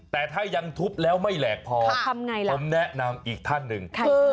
แต่ถ้ายังทุบแล้วไม่แหลกพอผมแนะนำอีกท่านหนึ่ง